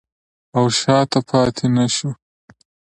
او شاته پاتې نشو.